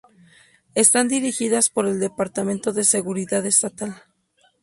Están dirigidas por el Departamento de Seguridad Estatal.